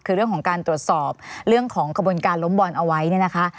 คือเรื่องของการตรวจสอบเรื่องของขบวนการล้มบอลเอาไว้เนี่ยนะคะ